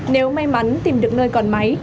nếu may mắn tìm được nơi còn máy